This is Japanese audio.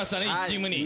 １チームに。